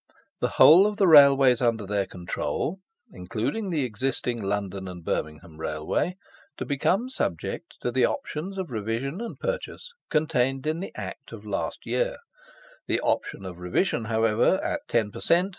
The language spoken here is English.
The whole of the Railways under their control, including the existing London and Birmingham Railway, to become subject to the options of revision and purchase contained in the Act of last year: the option of revision, however, at 10 per cent.